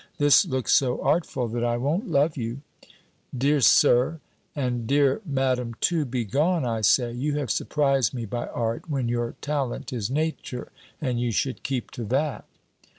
This looks so artful, that I won't love you!" "Dear Sir!" "And dear Madam too! Be gone, I say! You have surprised me by art, when your talent is nature, and you should keep to that!"